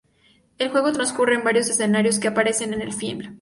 El juego transcurre en varios escenarios que aparecen en el film.